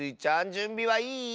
じゅんびはいい？